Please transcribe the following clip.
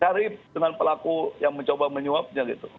cari dengan pelaku yang mencoba menyuapnya gitu